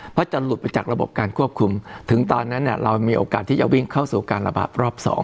เพราะจะหลุดไปจากระบบการควบคุมถึงตอนนั้นเรามีโอกาสที่จะวิ่งเข้าสู่การระบาดรอบ๒